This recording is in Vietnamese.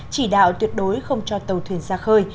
chỉ đạo tuyệt đối không cho tàu thuyền ra khơi